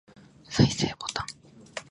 再生ボタン